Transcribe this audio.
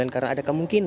karena ada kemungkinan